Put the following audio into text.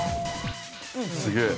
すげえ。